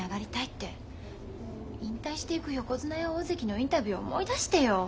引退していく横綱や大関のインタビュー思い出してよ。